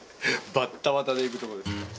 バッタバタで行くとこです。